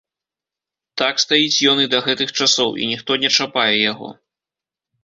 Так стаіць ён і да гэтых часоў, і ніхто не чапае яго.